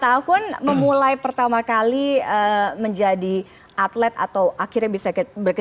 dua puluh lima tahun memulai pertama kali menjadi atlet atau akhirnya berusia berapa